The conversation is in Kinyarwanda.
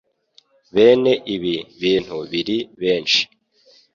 bene ibi bintu biri henshi